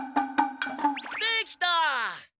できた！